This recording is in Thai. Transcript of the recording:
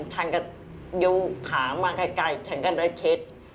ท่านก็ยูขามาไกลฉันก็จะเช็ด